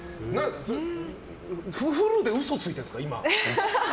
フルで嘘ついてるんですか、今。